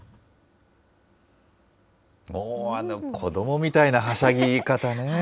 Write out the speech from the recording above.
あの子どもみたいなはしゃぎ方ねぇ。